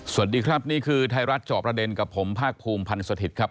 สวัสดีครับนี่คือไทยรัฐจอบประเด็นกับผมภาคภูมิพันธ์สถิตย์ครับ